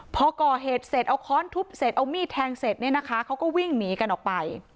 พอก่อเหตุเสร็จเอาค้อนทุบเสร็จเอามีดแทงเสร็จเนี่ยนะคะเขาก็วิ่งหนีกันออกไป